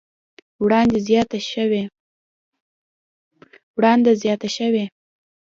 وړاندې زياته شوې